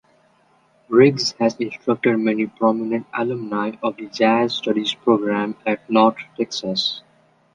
Riggs has instructed many prominent alumni of the Jazz Studies program at North Texas.